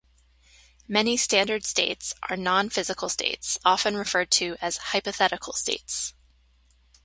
Many standard states are non-physical states, often referred to as "hypothetical states".